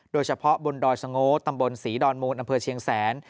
โดยเฉพาะบนดอยสโง่ตำบลศรีดอนมูลอำเภอเชียงแสน